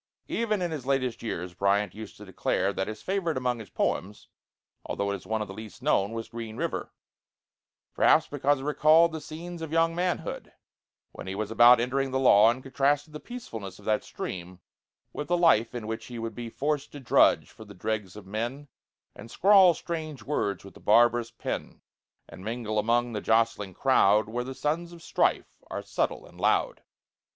Even in his latest years Bryant used to declare that his favorite among his poems although it is one of the least known was 'Green River'; perhaps because it recalled the scenes of young manhood, when he was about entering the law, and contrasted the peacefulness of that stream with the life in which he would be "Forced to drudge for the dregs of men, And scrawl strange words with the barbarous pen, And mingle among the jostling crowd, Where the sons of strife are subtle and loud."